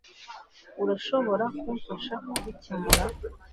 urashobora kumfasha kubikemura